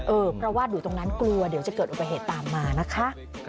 เพราะว่าอยู่ตรงนั้นกลัวเดี๋ยวจะเกิดอุบัติเหตุตามมานะคะ